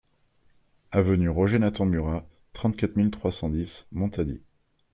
Avenue Roger Nathan Murat, trente-quatre mille trois cent dix Montady